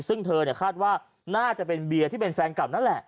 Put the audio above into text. ซึ่งเธอคาดว่าน่าจะเป็นเบียร์ที่เป็นแฟนเก่านั่นแหละ